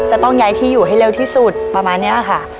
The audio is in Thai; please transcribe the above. จะต้องย้ายที่อยู่ให้เร็วที่สุดประมาณนี้ค่ะ